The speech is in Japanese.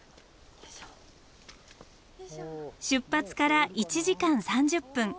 出発から１時間３０分。